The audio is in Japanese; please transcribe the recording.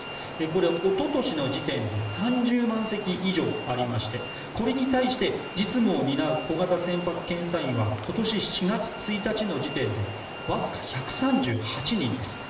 これ、おととしの時点で３０万隻以上ありましてこれに対して実務を担う小型船舶検査員は今年４月１日の時点でわずか１３８人です。